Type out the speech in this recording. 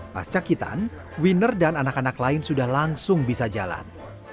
pas cakitan winner dan anak anak lain sudah langsung bisa jalan